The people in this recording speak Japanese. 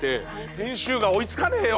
編集が追い付かねえよ